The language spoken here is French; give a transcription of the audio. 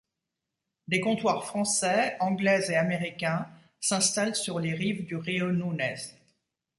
Des comptoirs français, anglais et américains s'installent sur les rives du Rio Nunez.